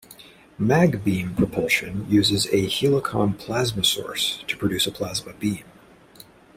MagBeam propulsion uses a helicon plasma source to produce a plasma beam.